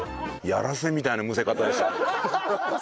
やらせみたいなむせ方でしたけども。